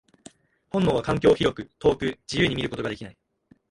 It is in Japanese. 本能は環境を広く、遠く、自由に見ることができない。